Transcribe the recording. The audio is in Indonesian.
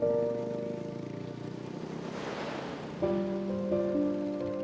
aku emang kecewa banget